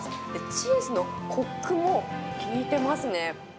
チーズのこくも効いてますね。